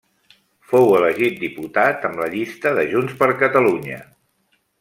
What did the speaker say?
Fou elegit diputat amb la llista de Junts per Catalunya.